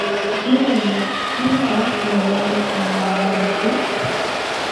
Imanaqtintaq manari hamunmanchu?